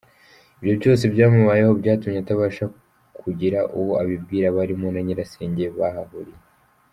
Ibyo byose byamubayeho byatumye atabasha kugira uwo abibwira barimo na nyirasenge bahahuriye.